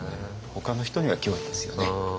ほかの人には脅威ですよね。